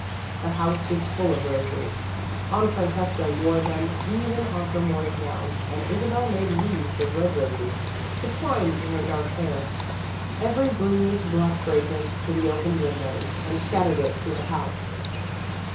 The house was full of roses. Aunt Francesca wore them even on her morning gowns and Isabel made wreaths of red roses to twine in her dark hair. Every breeze brought fragrance to the open windows and scattered it through the house.